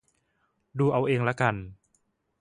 ดูเอาเองละกัน